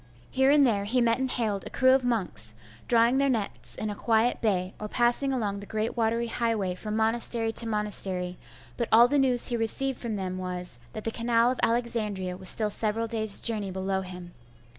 Here and there he met and hailed a crew of monks, drawing their nets in a quiet bay, or passing along the great watery highway from monastery to monastery: but all the news he received from them was, that the canal of Alexandria was still several days' journey below him.